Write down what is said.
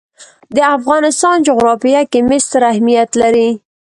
د افغانستان جغرافیه کې مس ستر اهمیت لري.